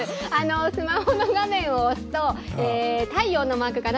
スマホの画面を押すと太陽のマークかな。